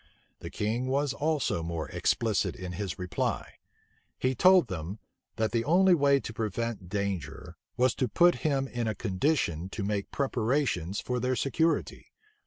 The king was also more explicit in his reply. He told them, that the only way to prevent danger, was to put him in a condition to make preparations for their security.